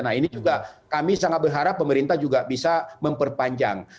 nah ini juga kami sangat berharap pemerintah juga bisa memperpanjang